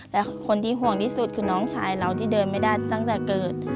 แต่คนที่ห่วงที่สุดคือน้องชายเราที่เดินไม่ได้ตั้งแต่เกิด